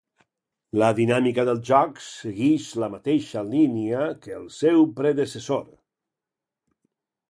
La dinàmica del joc seguix la mateixa línia que el seu predecessor.